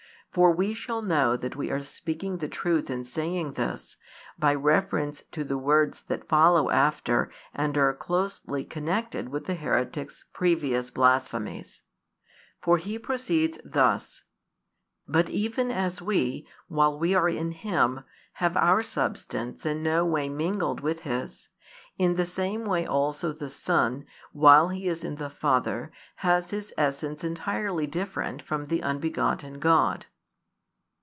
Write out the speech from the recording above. For we shall know that we are speaking the truth in saying this, by reference to the words that follow after and are closely connected with the heretic's previous blasphemies. For he proceeds thus: "But even as we, while we are in Him, have our substance in no way mingled with His; in the same way also the Son, while He is in the Father, has His essence entirely different from the Unbegotten God."